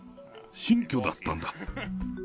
新居だったんだ。